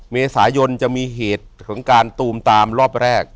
เมษายนจะมีเหตุของการตูมตามรอบแรก